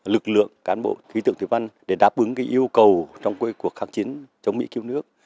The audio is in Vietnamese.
lực lượng cán bộ khí tượng thủy văn để đáp ứng yêu cầu trong cuộc kháng chiến chống mỹ cứu nước